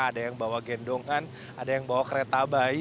ada yang bawa gendongan ada yang bawa kereta bayi